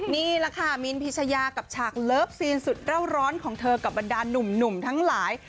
นี่แหละค่ะมินพิชยากับฉากเลิฟซีนสุดเล่าร้อนของเธอกับบรรดานหนุ่มทั้งหลาย